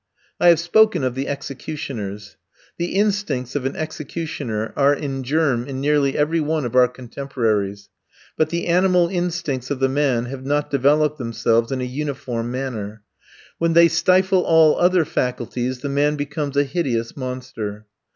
I have spoken of the executioners. The instincts of an executioner are in germ in nearly every one of our contemporaries; but the animal instincts of the man have not developed themselves in a uniform manner. When they stifle all other faculties, the man becomes a hideous monster.